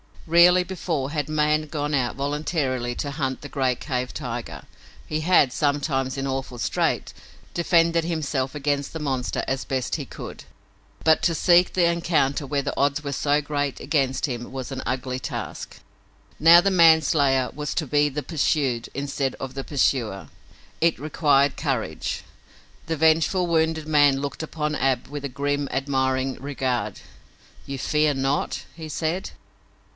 Rarely before had man gone out voluntarily to hunt the great cave tiger. He had, sometimes in awful strait, defended himself against the monster as best he could, but to seek the encounter where the odds were so great against him was an ugly task. Now the man slayer was to be the pursued instead of the pursuer. It required courage. The vengeful wounded man looked upon Ab with a grim, admiring regard. "You fear not?" he said.